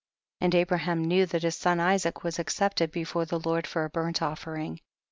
45. And Abraham knew that his son Isaac was accepted before the Lord for a burnt offering. 46.